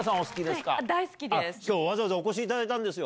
今日わざわざお越しいただいたんですよ。